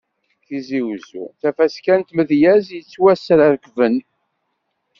Tizi Uzzu, tafaska n tmedyazt yettwasrekben.